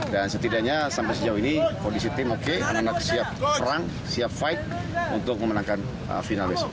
dan setidaknya sampai sejauh ini kondisi tim oke anak anak siap perang siap fight untuk memenangkan final